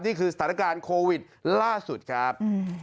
นี่คือสถานการณ์โควิดล่าสุดครับ